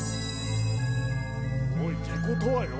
おい！ってことはよ。